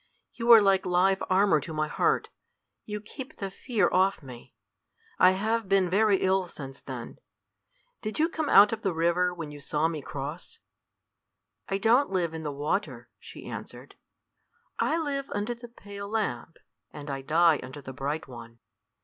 "You are like live armor to my heart; you keep the fear off me. I have been very ill since then. Did you come up out of the river when you saw me cross?" "I don't live in the water," she answered. "I live under the pale lamp, and I die under the bright one."